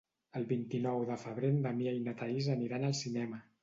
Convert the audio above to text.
El vint-i-nou de febrer en Damià i na Thaís aniran al cinema.